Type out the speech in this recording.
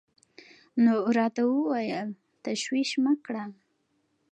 نو راته وويل تشويش مه کړه.